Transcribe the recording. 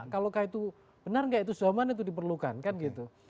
kalau itu benar atau tidak itu zaman itu diperlukan kan gitu